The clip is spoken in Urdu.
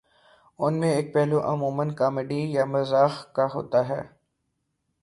ان میں ایک پہلو عمومًا کامیڈی یا مزاح کا ہوتا ہے